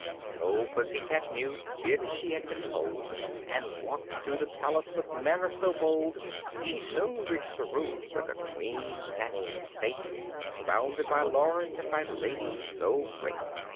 So Pussy cat Mew did as she had been told, And walked through the palace with manner so bold She soon reached the room where the Queen sat in state, Surrounded by lords and by ladies so great.